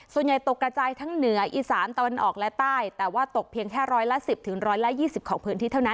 ส่วนใหญ่ตกกระจายทั้งเหนืออีสานตะวันออกและใต้แต่ว่าตกเพียงแค่ร้อยละ๑๐๑๒๐ของพื้นที่เท่านั้น